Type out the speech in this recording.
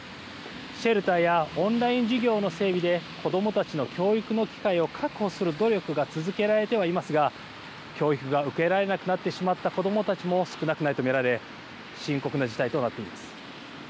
シェルターやオンライン授業の整備で子どもたちの教育の機会を確保する努力が続けられてはいますが、教育が受けられなくなってしまった子どもたちも少なくないと見られ深刻な事態となっています。